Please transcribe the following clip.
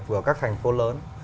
của các thành phố lớn